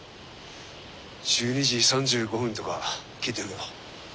１２時３５分とか聞いてるけど。